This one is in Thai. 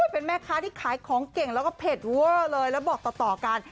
เป็นแม่ค้าที่ขายของเก่งแล้วก็เผ็ดเวอร์เลยแล้วบอกต่อกัน